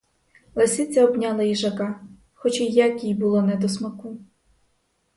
Лисиця обняла їжака, хоч і як їй було не до смаку.